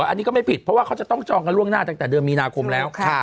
อันนี้ก็ไม่ผิดเพราะว่าเขาจะต้องจองกันล่วงหน้าตั้งแต่เดือนมีนาคมแล้ว